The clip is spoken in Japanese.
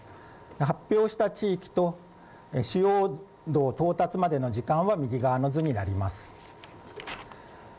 発表した地域と主要道到達までの時間は右側の図になります。